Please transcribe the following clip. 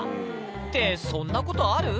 って、そんなことある？